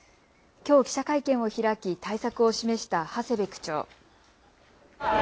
きょう記者会見を開き対策を示した長谷部区長。